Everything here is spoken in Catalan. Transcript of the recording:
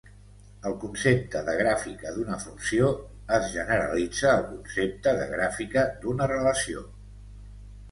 El concepte de gràfica d'una funció es generalitza al concepte de gràfica d'una relació.